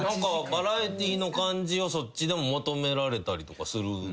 バラエティーの感じをそっちでも求められたりとかするんすか？